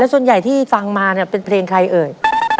ส่วนใหญ่ที่ฟังมาเนี่ยเป็นเพลงใครเอ่ย